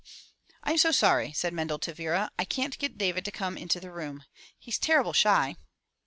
"Fm so sorry,'* said Mendel to Vera. "I can't get David to come into the room. He's terrible shy."